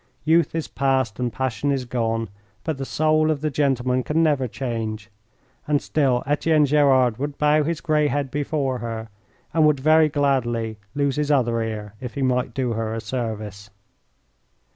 Youth is past and passion is gone, but the soul of the gentleman can never change, and still Etienne Gerard would bow his grey head before her and would very gladly lose his other ear if he might do her a service.